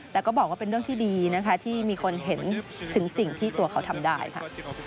แต่ก็บอกว่าเป็นเรื่องที่ดีนะคะที่มีคนเห็นถึงสิ่งที่ตัวเขาทำได้ค่ะ